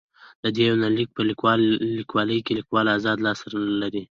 د دې يونليک په ليکلوکې ليکوال اذاد لاس لري.